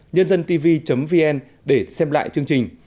nhân dântv vn để xem lại chương trình